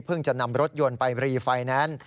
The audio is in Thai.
จะนำรถยนต์ไปรีไฟแนนซ์